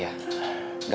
yaudah emang iya